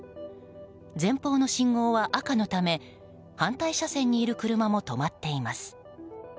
前方の信号は赤のため反対車線にいる車も止まっています。